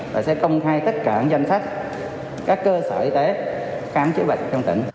và sẽ công khai tất cả danh sách các cơ sở y tế khám chữa bệnh trong tỉnh